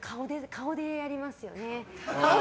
顔でやりますよね。